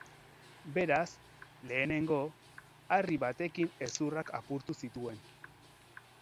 Beraz, lehenengo, harri batekin hezurrak apurtu zituen.